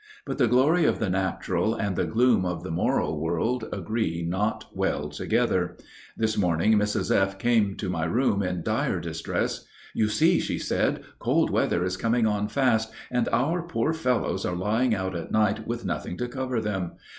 But the glory of the natural and the gloom of the moral world agree not well together. This morning Mrs. F. came to my room in dire distress. "You see," she said, "cold weather is coming on fast, and our poor fellows are lying out at night with nothing to cover them.